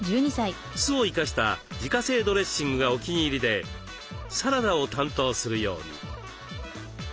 酢を生かした自家製ドレッシングがお気に入りでサラダを担当するように。